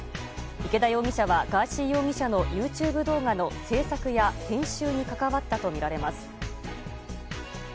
池田容疑者はガーシー容疑者のＹｏｕＴｕｂｅ動画の制作や編集に関わったとみられます。